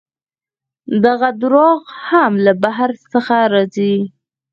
دغه درواغ هم له بهر څخه راځي.